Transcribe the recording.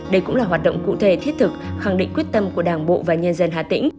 đây cũng là hoạt động cụ thể thiết thực khẳng định quyết tâm của đảng bộ và nhân dân hà tĩnh